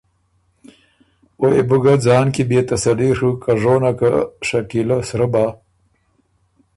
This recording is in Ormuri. او يې بو ګۀ ځان کی بيې تسلي ڒُوک که ژونۀ که شکیلۀ سرۀ بۀ،